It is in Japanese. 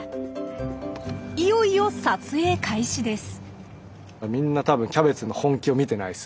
いよいよ撮影開始です。